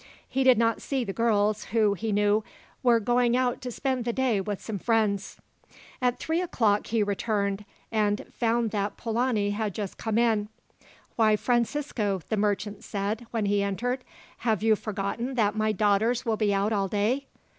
He did not see the girls, who, he knew, were going out to spend the day with some friends. At three o'clock he returned, and found that Polani had just come in. "Why, Francisco," the merchant said when he entered, "have you forgotten that my daughters will be out all day?"